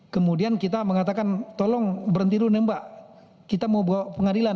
kemudian kita mengatakan tolong berhenti dulu nembak kita mau bawa pengadilan